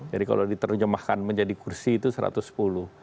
jadi kalau diterjemahkan menjadi kursi itu satu ratus sepuluh